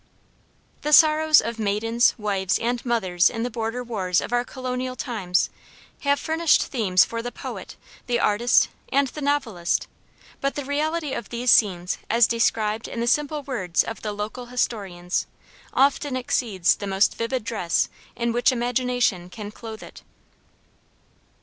The sorrows of maidens, wives, and mothers in the border wars of our colonial times, have furnished themes for the poet, the artist, and the novelist, but the reality of these scenes as described in the simple words of the local historians, often exceeds the most vivid dress in which imagination can clothe it.